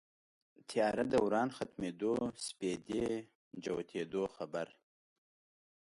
تیاره دوران ختمېدو سپېدې جوتېدو خبر